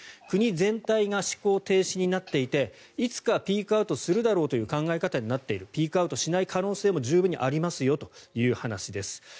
国全体が思考停止になっていていつかピークアウトするだろうという考え方になっているピークアウトしない可能性も十分にありますよというお話です。